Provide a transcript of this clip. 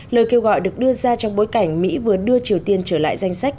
lời kêu gọi được đưa ra trong bối cảnh mỹ vừa đưa triều tiên trở lại danh sách